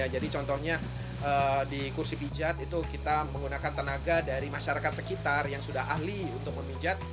jadi contohnya di kursi pijat itu kita menggunakan tenaga dari masyarakat sekitar yang sudah ahli untuk memijat